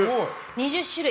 ２０種類。